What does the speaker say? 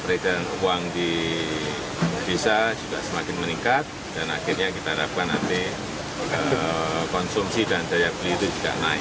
peredaran uang di desa juga semakin meningkat dan akhirnya kita harapkan nanti konsumsi dan daya beli itu juga naik